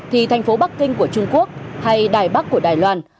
thì thành phố bắc kinh của trung quốc hay đài bắc của đài loan